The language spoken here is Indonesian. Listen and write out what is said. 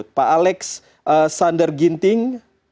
terima kasih pak alex sander ginting